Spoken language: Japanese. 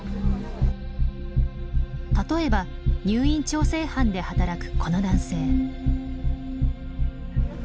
例えば入院調整班で働くこの男性。